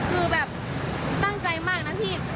คือแบบตั้งใจมากนะพี่